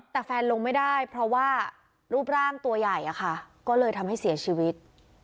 แต่แฟนลงไม่ได้เพราะว่ารูปร่างตัวใหญ่อะค่ะก็เลยทำให้เสียชีวิต